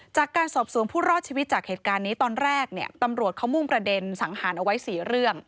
จากการสอบสวนผู้รอดชีวิตจากเหตุการณ์นี้ตอนแรกเนี่ยตำรวจเขามุ่งประเด็นสังหารเอาไว้๔เรื่อง